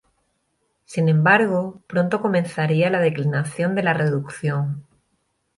Sin embargo, pronto comenzaría la declinación de la reducción.